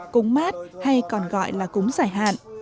cúng mát hay còn gọi là cúng giải hạn